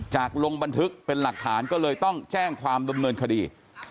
ลงบันทึกเป็นหลักฐานก็เลยต้องแจ้งความดำเนินคดี